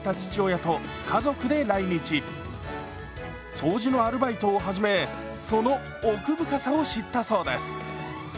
掃除のアルバイトを始めその奥深さを知ったそうです。